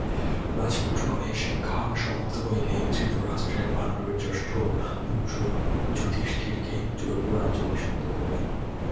রাজপুত্রগণের শিক্ষা সমাপ্ত হইলে ধৃতরাষ্ট্র পাণ্ডুর জ্যেষ্ঠ পুত্র যুধিষ্ঠিরকে যৌবরাজ্যে অভিষিক্ত করিলেন।